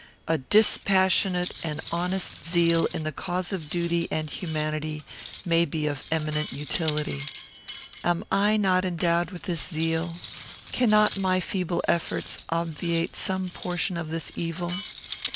A dispassionate and honest zeal in the cause of duty and humanity may be of eminent utility. Am I not endowed with this zeal? Cannot my feeble efforts obviate some portion of this evil?